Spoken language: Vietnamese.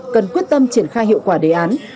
cần quyết tâm triển khai hiệu quả đề án